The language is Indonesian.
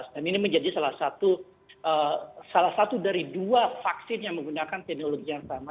dan ini menjadi salah satu dari dua vaksin yang menggunakan teknologi yang sama